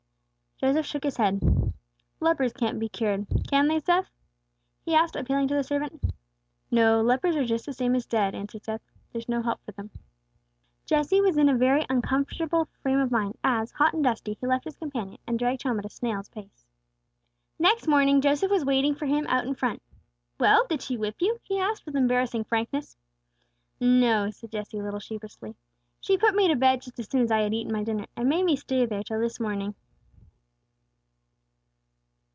Joseph shook his head. "Lepers can't be cured. Can they, Seth?" he asked, appealing to the servant. "No, lepers are just the same as dead," answered Seth. "There's no help for them." Jesse was in a very uncomfortable frame of mind, as, hot and dusty, he left his companion and dragged home at a snail's pace. Next morning Joseph was waiting for him out in front. "Well, did she whip you?" he asked, with embarrassing frankness. "No," said Jesse, a little sheepishly. "She put me to bed just as soon as I had eaten my dinner, and made me stay there till this morning."